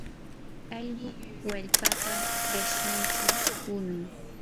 allqu wallpapa qishunchaw punun.